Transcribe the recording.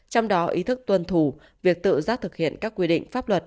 trong đó ý thức tuân thủ việc tự giác thực hiện các quy định pháp luật